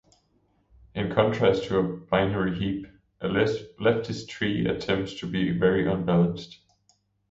In contrast to a "binary heap", a leftist tree attempts to be very unbalanced.